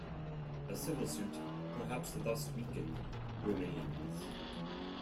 A civil suit, perhaps thus weakened, remains.